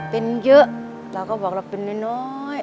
เป็นเยอะเราก็บอกเราเป็นน้อย